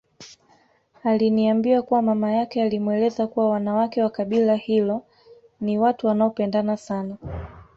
Aliniambia kuwa mama yake alimweleza kuwa wanawake wa kabila hilo ni watu wanaopendana sana